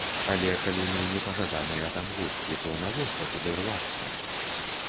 Але калі мы непажаданыя там госці, то навошта туды рвацца?